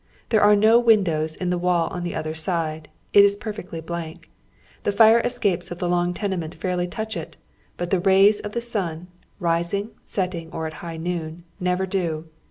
There are no windows in the wall on the other side; it is perfectly blank. Tlie fire escapes of the long tenement fairly touch it ; but the rays of the sun, rising, setting, or at high noon, never do.